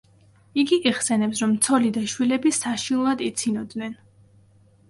იგი იხსენებს, რომ ცოლი და შვილები საშინლად იცინოდნენ.